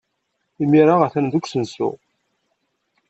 Imir-a, atan deg usensu.